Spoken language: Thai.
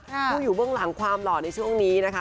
ผู้อยู่เบื้องหลังความหล่อในช่วงนี้นะคะ